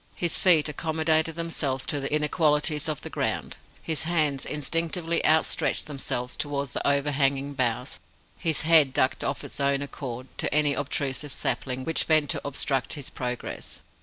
His feet accommodated themselves to the inequalities of the ground; his hands instinctively outstretched themselves towards the overhanging boughs; his head ducked of its own accord to any obtrusive sapling which bent to obstruct his progress.